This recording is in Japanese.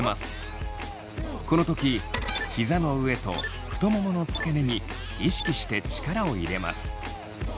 この時ひざの上と太ももの付け根に意識して力を入れます。